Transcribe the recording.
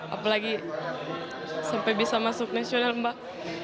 apalagi sampai bisa masuk nasional mbak